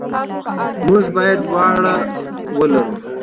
موږ باید دواړه ولرو.